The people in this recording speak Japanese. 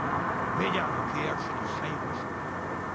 メジャーの契約書にサインをしたってのは。